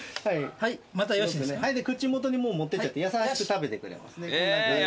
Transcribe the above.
口元に持ってちゃって優しく食べてくれますね。